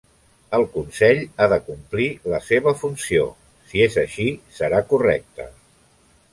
El Consell ha de complir la seva funció; si és així, serà correcte...